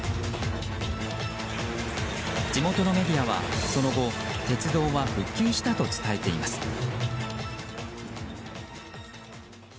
地元のメディアは、その後鉄道は復旧したと伝えています。